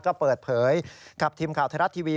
ก็เปิดเผยกับทีมข่าวไทยรัฐทีวี